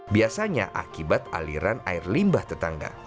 biasanya akibat aliran air limbah tetangga